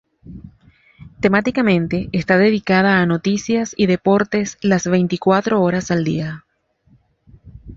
Temáticamente está dedicada a noticias y deportes las veinticuatro horas al día.